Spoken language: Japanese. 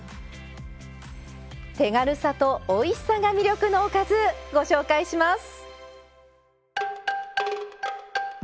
手軽さとおいしさが魅力のおかずご紹介します。